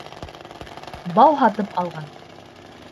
Бау һатып алған.